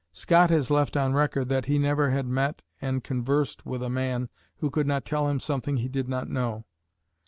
Scott has left on record that he never had met and conversed with a man who could not tell him something he did not know.